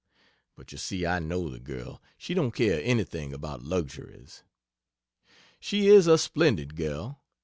(But you see I know the girl she don't care anything about luxuries.) She is a splendid girl.